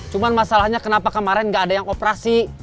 cuma masalahnya kenapa kemaren gak ada yang operasi